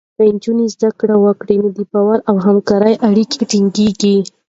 که نجونې زده کړه وکړي، نو د باور او همکارۍ اړیکې ټینګېږي.